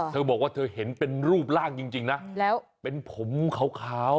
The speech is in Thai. เธอบอกว่าเธอเห็นเป็นรูปร่างจริงนะ